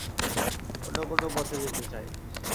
অন্য কোনো পথে যেতে চাই।